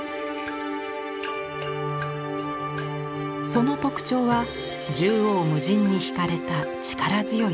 その特徴は縦横無尽に引かれた力強い墨の線。